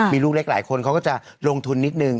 มีลูกเล็กหลายคนเขาก็จะลงทุนนิดนึง